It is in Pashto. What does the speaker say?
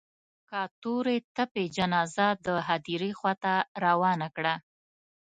که تورې تپې جنازه د هديرې خوا ته روانه کړه.